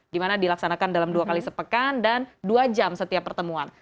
di mana dilaksanakan dalam dua kali sepekan dan dua jam setiap pertemuan